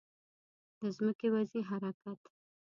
د ځمکې وضعي حرکت